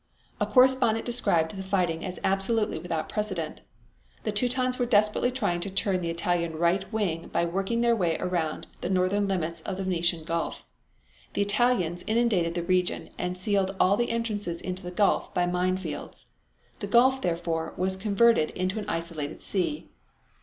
A correspondent described the fighting as absolutely without precedent. The Teutons were desperately trying to turn the Italian right wing by working their way around the northern limits of the Venetian Gulf. The Italians inundated the region and sealed all the entrances into the gulf by mine fields. The gulf, therefore, was converted into an isolated sea.